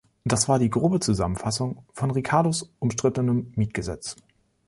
Das war die grobe Zusammenfassung von Ricardos umstrittenem Mietgesetz.